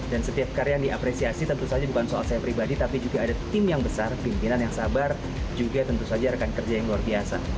dan setiap karya yang diapresiasi tentu saja bukan soal saya pribadi tapi juga ada tim yang besar pimpinan yang sabar juga tentu saja rekan kerja yang luar biasa